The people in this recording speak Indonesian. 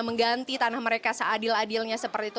mengganti tanah mereka seadil adilnya seperti itu